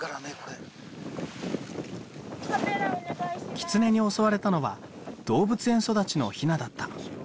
キツネに襲われたのは動物園育ちのひなだった。